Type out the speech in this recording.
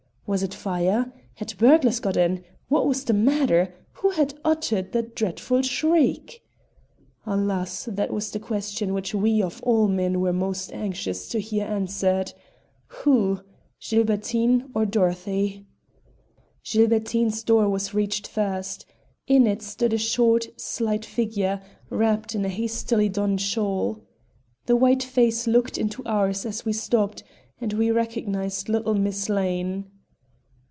Was it fire? Had burglars got in? What was the matter? Who had uttered that dreadful shriek? Alas! that was the question which we of all men were most anxious to hear answered. Who? Gilbertine or Dorothy? Gilbertine's door was reached first. In it stood a short, slight figure, wrapped in a hastily donned shawl. The white face looked into ours as we stopped, and we recognized little Miss Lane.